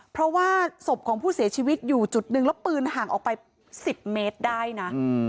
เพราะว่าศพของผู้เสียชีวิตอยู่จุดหนึ่งแล้วปืนห่างออกไป๑๐เมตรได้นะ